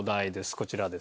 こちらです。